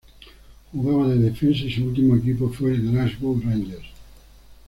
Jugaba de defensa y su último equipo fue el Glasgow Rangers.